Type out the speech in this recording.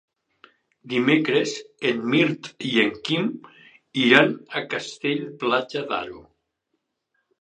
Dimecres en Mirt i en Quim iran a Castell-Platja d'Aro.